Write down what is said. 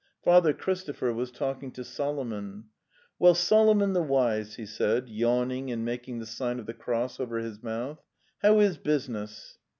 Father Christopher was talking to Solomon. "Well, Solomon the Wise!" he said, yawning and making the sign of the cross over his mouth. '" How is business?"